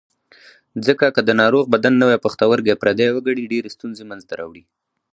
ځکه که د ناروغ بدن نوی پښتورګی پردی وګڼي ډېرې ستونزې منځ ته راوړي.